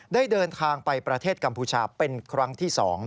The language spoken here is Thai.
ได้เดินทางไปประเทศกัมพูชาเป็นครั้งที่๒